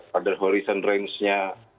pada horizon range nya